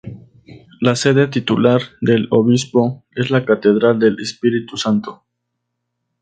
La sede titular del obispo es la Catedral del Espíritu Santo.